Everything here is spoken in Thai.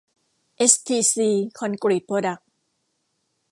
เอสทีซี คอนกรีตโปรดัคท์